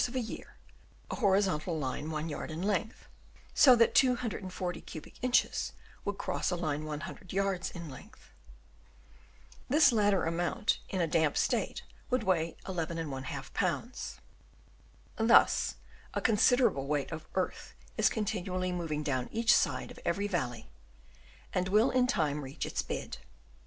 311 of a year, a horizontal line one yard in length ; so that 240 cubic inches would cross a line 100 yards in length. This latter amount in a damp state would weigh Hi pounds. Thus a considerable weight of earth is continually moving down each side of every valley, and will in time reach its bed.